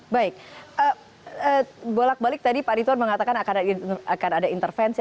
baik bolak balik tadi pak rituan mengatakan akan ada intervensi